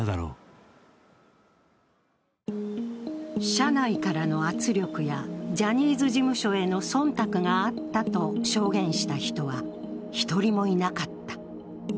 社内からの圧力やジャニーズ事務所への忖度があったと証言した人は１人もいなかった。